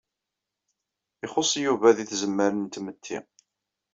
Ixuṣṣ Yuba di tzemmar n tmetti.